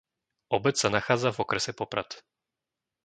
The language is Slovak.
Obec sa nachádza v okrese Poprad.